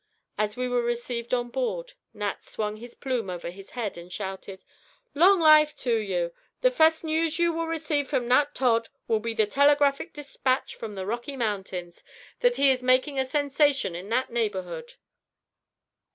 As we were received on board, Nat swung his plume over his head, and shouted: "Long life to you! the fust news you will receive from Nat Todd will be a telegraphic dispatch from the Rocky Mountains, 'that he is making a sensation in that neighborhood.